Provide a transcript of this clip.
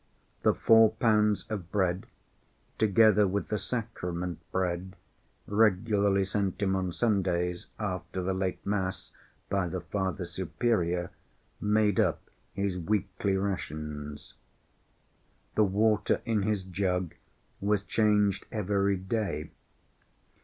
The four pounds of bread, together with the sacrament bread, regularly sent him on Sundays after the late mass by the Father Superior, made up his weekly rations. The water in his jug was changed every day.